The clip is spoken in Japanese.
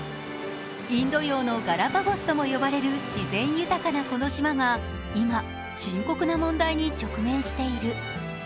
インド洋のガラパゴスとも呼ばれる自然豊かなこの島が深刻な問題に直面している。